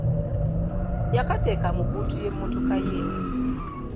Yakateeka mu bbuutu ya mmotoka ye!